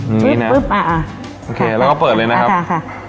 อย่างนี้นะปุ๊บอ่ะโอเคแล้วก็เปิดเลยนะครับค่ะ